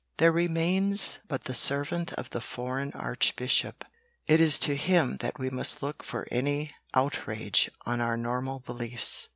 There remains but the servant of the foreign Archbishop. It is to him that we must look for any outrage on our normal beliefs.